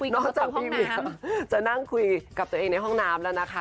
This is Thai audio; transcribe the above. จากพี่เวียจะนั่งคุยกับตัวเองในห้องน้ำแล้วนะคะ